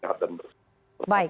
sehat dan bersih